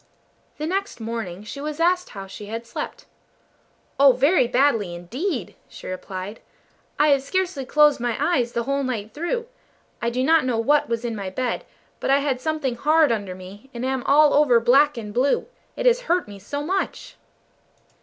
The next morning she was asked how she had slept. "Oh, very badly indeed!" she replied. "I have scarcely closed my eyes the whole night through. I do not know what was in my bed, but I had something hard under me, and am all over black and blue. It has hurt me so much!"